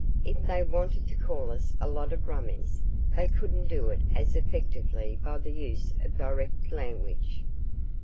If they wanted to call us a lot of rummies, they couldn't do it as effectively by the use of direct language.